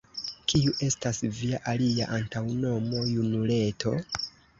kiu estas via alia antaŭnomo, junuleto?